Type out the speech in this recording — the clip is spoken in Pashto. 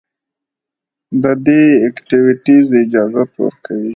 د دې ايکټويټيز اجازت ورکوي